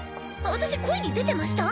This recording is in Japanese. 私声に出てました？